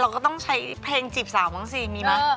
ก็ต้องใช้เพลงจีบสาวบ้างสิมีไหม